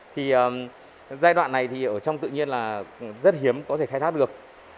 thì giai đoạn này thì ở trong tự nhiên là rất hiếm có thể khai thác được